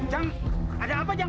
jang ada apa jang